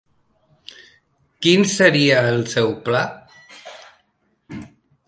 Quin seria el seu pla?